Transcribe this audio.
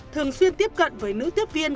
thường xuyên tiếp cận với nữ tiếp viên